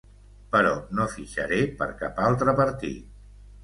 Però no fitxaré per cap altre partit.